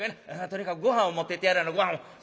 とにかくごはんを持ってってやらなごはんを。